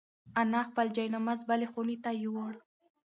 انا خپل جاینماز بلې خونې ته یووړ.